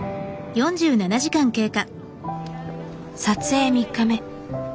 撮影３日目。